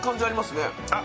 あっ。